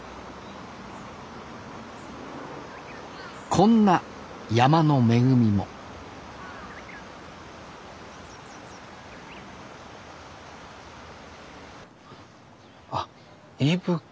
こんな山の恵みもあっ伊吹。